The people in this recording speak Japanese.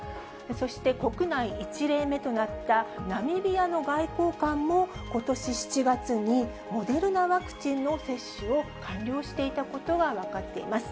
そして、国内１例目となったナミビアの外交官も、ことし７月にモデルナワクチンの接種を完了していたことが分かっています。